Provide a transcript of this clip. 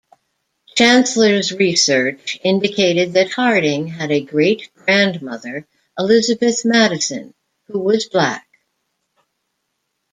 Chancellor's research indicated that Harding had a great-grandmother, Elizabeth Madison, who was black.